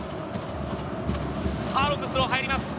ロングスローが入ります。